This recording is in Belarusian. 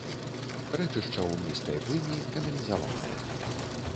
Рэчышча ў нізкай плыні каналізаванае.